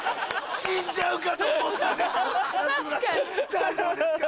大丈夫ですか？